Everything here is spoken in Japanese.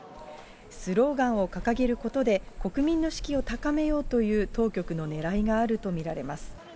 スローガンを掲げることで、国民の士気を高めようという当局のねらいがあると見られます。